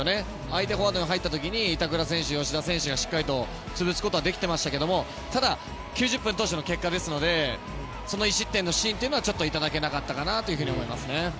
相手フォワードが入った時に板倉選手、吉田選手がしっかり潰せていましたがただ９０分通しての結果ですのでその１失点のシーンというのはちょっと頂けなかったかなと思います。